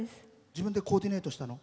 自分でコーディネートしたの？